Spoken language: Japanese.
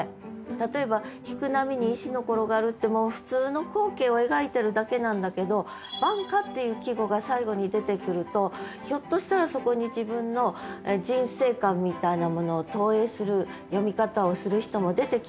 例えば「引く波に石のころがる」って普通の光景を描いてるだけなんだけど「晩夏」っていう季語が最後に出てくるとひょっとしたらそこに自分の人生観みたいなものを投影する読み方をする人も出てきますよね？